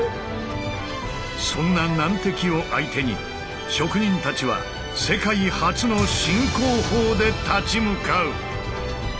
そんな難敵を相手に職人たちは「世界初の新工法」で立ち向かう！